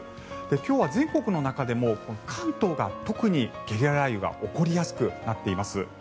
今日は全国の中でも関東が特にゲリラ雷雨が起こりやすくなっています。